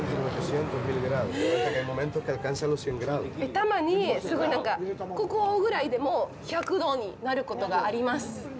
たまに、ここぐらいでも１００度になることがあります。